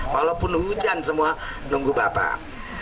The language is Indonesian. walaupun hujan semua nunggu bapak